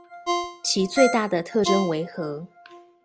其最大的特徵為何？